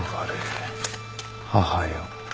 「母よ